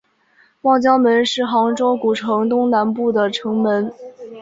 望江门是杭州古城东南部的城门。